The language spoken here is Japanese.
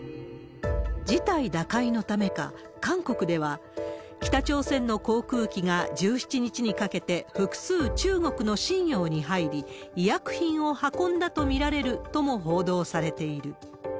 事態打開のためか、韓国では、北朝鮮の航空機が１７日にかけて複数、中国の瀋陽に入り、医薬品を運んだと見られるとも報道されている。